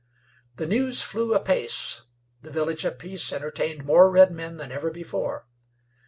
The news flew apace; the Village of Peace entertained more redmen than ever before.